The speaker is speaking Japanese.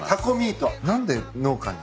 何で農家に？